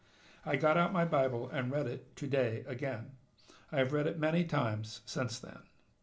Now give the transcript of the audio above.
I got out my Bible and read it to day again. I have read it many times since then.